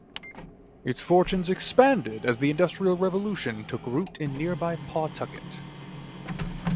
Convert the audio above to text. Its fortunes expanded as the Industrial Revolution took root in nearby Pawtucket.